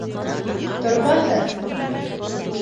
Торбаһы.